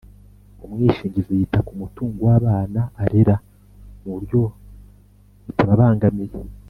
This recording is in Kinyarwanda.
umwishingizi yita ku mutungo w'abana arera mu buryo butababangamiye.